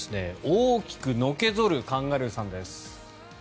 大きくのけ反るカンガルーさんです。